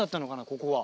ここは。